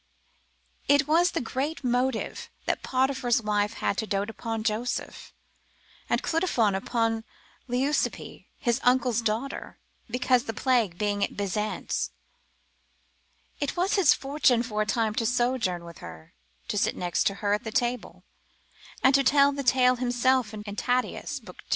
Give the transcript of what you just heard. It was the greatest motive that Potiphar's wife had to dote upon Joseph, and Clitiphon upon Leucippe his uncle's daughter, because the plague being at Bizance, it was his fortune for a time to sojourn with her, to sit next her at the table, as he tells the tale himself in Tatius, lib. 2.